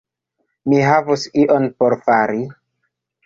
Mi havus ion por fari.